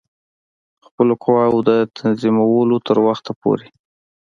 خپلو قواوو د تنظیمولو تر وخته پوري.